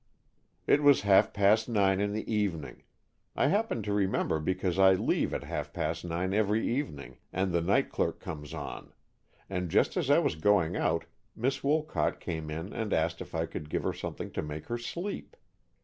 "It was half past nine in the evening. I happened to remember because I leave at half past nine every evening and the night clerk comes on, and just as I was going out Miss Wolcott came in and asked if I could give her something to make her sleep.